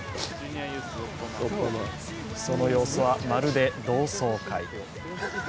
その様子はまるで同窓会。